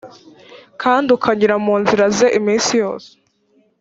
kandi ukanyura mu nzira ze iminsi yose